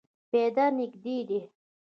پیاده نږدې دی